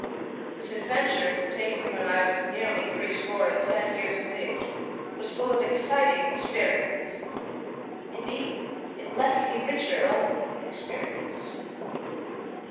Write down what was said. This adventure, taken when I was nearly three score and ten years of age, was full of exciting experiences. Indeed, it left me richer only in experience.